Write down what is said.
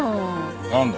なんだ？